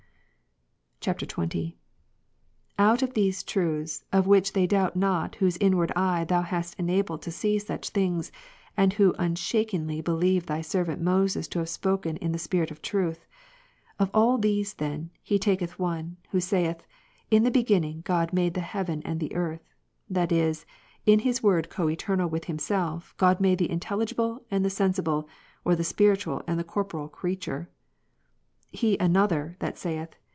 [XX.] 29. Out of these truths, of which they doubt not whose inward eye Thou hast enabled to see such things, and who unshakenly believe Thy servant Moses to have spoken in the Spirit of truth ;— of all these then, he taketh one, who saith, In the Beginning God made the heaven and the earth, that is, "in His Word coeternal with Himself, God made the intelligible and the sensible, or the spiritual and the corporeal creature." He another, that saith.